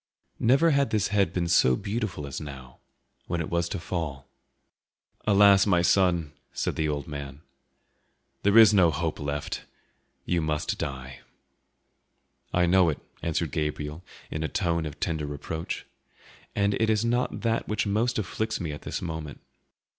Never had this head been so beautiful as now, when it was to fall. "Alas, my poor son!" said the old man, "there is no hope left; you must die." "I know it," answered Gabriel in a tone of tender reproach, "and it is not that which most afflicts me at this moment.